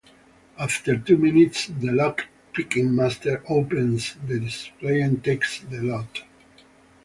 After two minutes, the lock picking master opens the display and takes the loot.